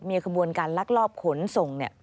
มีขบวนการลักลอบขนส่ง